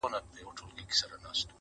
پهدهپسېويثوابونهيېدلېپاتهسي,